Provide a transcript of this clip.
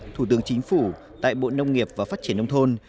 thủ tướng chính phủ tại bộ nông nghiệp và phát triển nông thôn